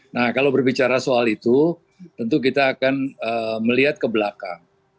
nah kalau berbicara soal itu tentu kita akan melihat ke belakang